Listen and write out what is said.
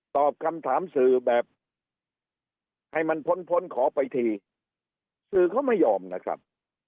ตอบคำถามสื่อแบบให้มันพ้นพ้นขอไปทีสื่อเขาไม่ยอมนะครับ